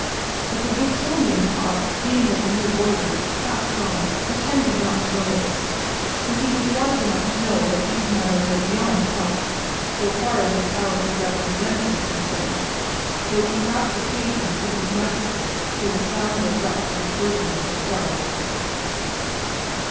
But the Gibsonian cop, being of the new order, passed on, pretending not to notice, for he was wise enough to know that these matters are beyond help so far as the power he represents is concerned, though he rap the pavement with his nightstick till the sound goes up to the furthermost stars.